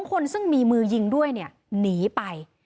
๒คนซึ่งมีมือยิงด้วยเนี่ยหนีไป